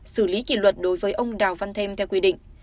xử lý kỷ luật đối với ông đào văn thêm theo quy định